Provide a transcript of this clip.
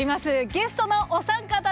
ゲストのお三方です。